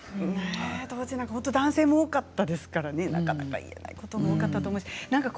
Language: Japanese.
当時は男性も多かったですからねなかなか言えないことも多かったと思います。